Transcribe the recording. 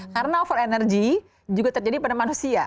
karena over energy juga terjadi pada manusia